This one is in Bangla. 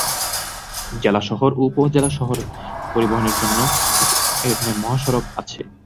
জেলা শহর ও উপজেলা শহরে পরিবহনের জন্য এখানে মহাসড়ক আছে।